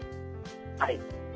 はい。